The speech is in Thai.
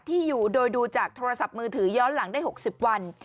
ที่อยู่โดยดูจากโทรศัพท์มือถือย้อนหลังได้๖๐วัน